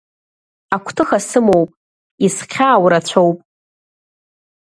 Агәҭыха сымоуп, исхьаау рацәоуп…